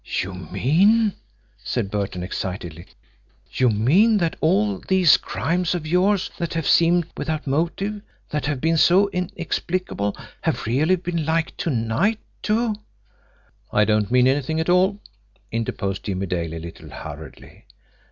"You mean," said Burton excitedly, "you mean that all these crimes of yours that have seemed without motive, that have been so inexplicable, have really been like to night to " "I don't mean anything at all," interposed Jimmie Dale a little hurriedly.